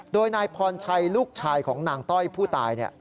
โดยนายพรชัยลูกชายของนางต้อยผู้ตาย